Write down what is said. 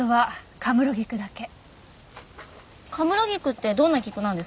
神室菊ってどんな菊なんですか？